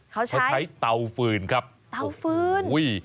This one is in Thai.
เขาใช้เขาใช้เตาฟืนครับเตาฟืนอุ้ย